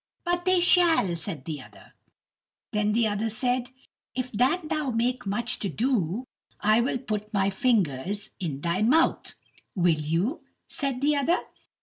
"But they shall," said the other. Then the other said: "If that thou make much to do, I will put my fingers in thy mouth." "Will you?" said the other.